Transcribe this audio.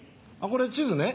これ地図ね。